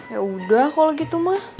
yaudah kalo gitu mah